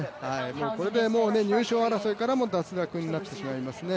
これで入賞争いからも脱落になってしまいますね。